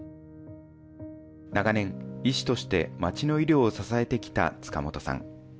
長年、医師として町の医療を支えてきた塚本さん。